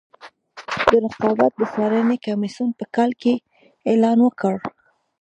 د رقابت د څارنې کمیسیون په کال کې اعلان وکړ.